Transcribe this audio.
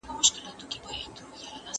¬ يار د يار له پاره خوري د غوايي غوښي.